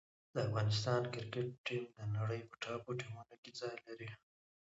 د افغانستان کرکټ ټیم د نړۍ په ټاپ ټیمونو کې ځای لري.